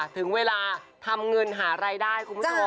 ถึงเวลาทำเงินหารายได้คุณผู้ชม